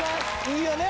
いいよね。